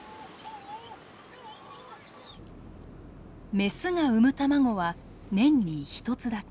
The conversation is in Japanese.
雌が産む卵は年に１つだけ。